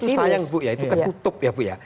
tapi itu sayang bu ya itu ketutup ya bu ya